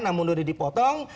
namun udah dipotong